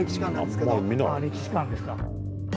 ああ歴史館ですか。